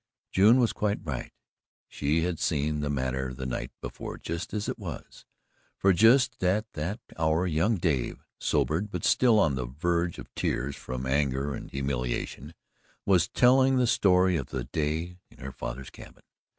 June was quite right. She had seen the matter the night before just as it was. For just at that hour young Dave, sobered, but still on the verge of tears from anger and humiliation, was telling the story of the day in her father's cabin.